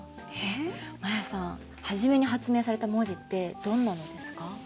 マヤさん初めに発明された文字ってどんなのですか？